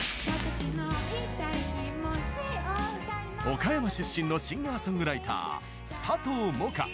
岡山出身のシンガーソングライターさとうもか。